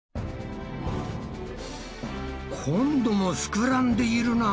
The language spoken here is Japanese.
今度もふくらんでいるな。